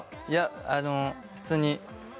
いやあの普通に